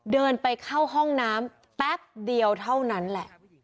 เดินไปเข้าห้องน้ำแป๊บเดียวเท่านั้นแหละ